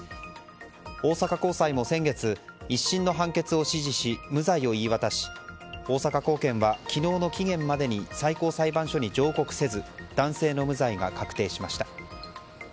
大阪高裁も先月、１審の判決を支持し無罪を言い渡し大阪高検は昨日の期限までに最高裁判所に上告せず男性の無罪が確定しました。